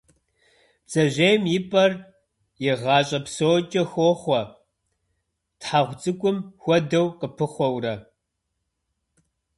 Бдзэжьейм и пӏэр и гъащӏэ псокӏэ хохъуэ, тхьэгъу цӏыкӏум хуэдэу къыпыхъуэурэ.